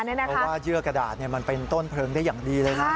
เพราะว่าเยื่อกระดาษมันเป็นต้นเพลิงได้อย่างดีเลยนะ